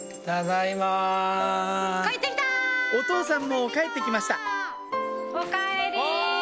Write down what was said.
お父さんも帰って来ましたおかえり！